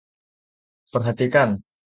Perhatikan.